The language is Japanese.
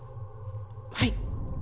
はい。